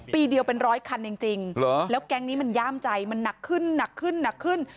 ปีเดียวเป็นร้อยคันจริงแล้วแก๊งนี้มันย่ามใจมันหนักขึ้นหนักขึ้นหนักขึ้น